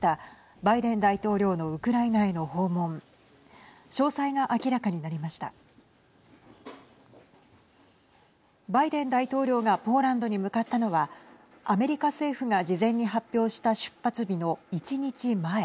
バイデン大統領がポーランドに向かったのはアメリカ政府が事前に発表した出発日の１日前。